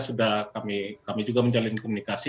sudah kami juga menjalin komunikasi